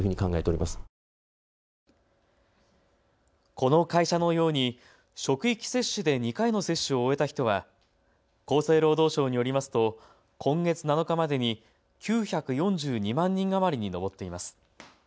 この会社のように職域接種で２回の接種を終えた人は厚生労働省によりますと今月７日までに９４２万人余りに上っています。